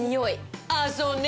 ああそうね。